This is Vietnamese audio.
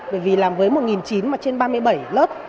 bởi vì làm với một chín trăm linh mà trên ba mươi bảy lớp